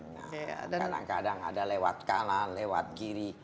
kadang kadang ada lewat kanan lewat kiri